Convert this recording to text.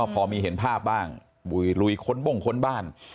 พอมีเห็นภาพบ้างลุยค้นบ้งค้นบ้าน